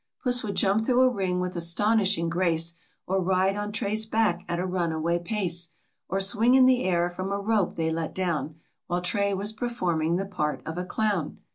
Puss would jump through a ring with astonishing grace, Or ride on Tray's back at a runaway pace, Or swing in the air from a rope they let down, While Tray was performing the part of a clown.